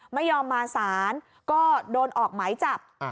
ไม่ยอมมาสารก็โดนออกหมายจับ